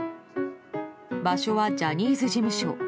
場所はジャニーズ事務所。